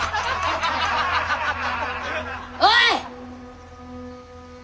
おい！